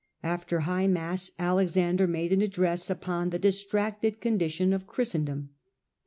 Afber high mass Alexander made an address Council of upou the distracted condition of Christendom.